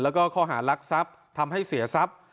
และข้อหารักษัตริย์ทำให้เสียซับ